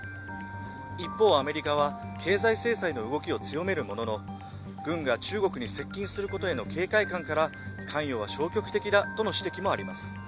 一方、アメリカは経済制裁の動きを強めるものの軍が中国に接近することへの警戒感から関与は消極的だとの指摘もあります。